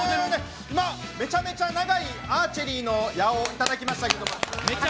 めちゃめちゃ長いアーチェリーの矢をいただきましたけども。